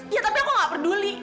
ya tapi aku nggak peduli